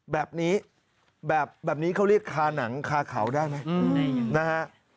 แบบนี้แบบนี้เขาเรียกคาหนังคาเขาได้ไหมนะฮะ